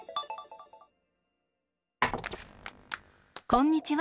こんにちは。